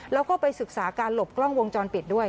แล้วก็ไปศึกษาการหลบกล้องวงจรปิดด้วย